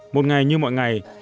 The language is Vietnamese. một ngày như mọi ngày